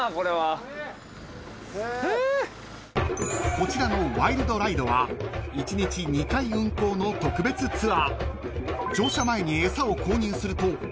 ［こちらのワイルドライドは１日２回運行の特別ツアー］